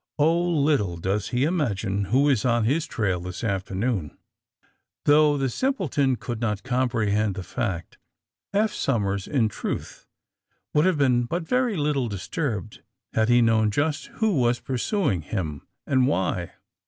Oh, little does he imagine who is on his trail this afternoon !'' Though the simpleton could not comprehend the fact, Eph Somers, in truth, would have been but very little disturbed had he known just who was pursuing him, and why.